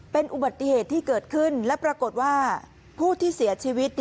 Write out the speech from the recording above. เป็นอุบัติเหตุที่เกิดขึ้นและปรากฏว่าผู้ที่เสียชีวิต